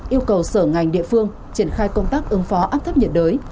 yêu cầu sở ngành địa phương triển khai công tác ứng phó áp thấp nhiệt đới